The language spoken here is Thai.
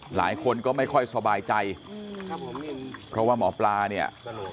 หลายคนก็ไม่ค่อยสบายใจเพราะว่าหมอปลาเนี่ย